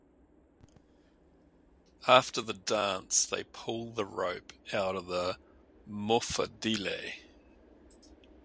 After the dance, they pull the rope out of the moffedille.